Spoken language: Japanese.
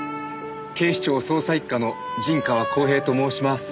警視庁捜査一課の陣川公平と申します。